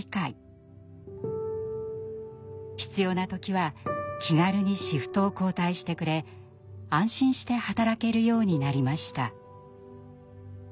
必要な時は気軽にシフトを交代してくれ安心して働けるようになりました。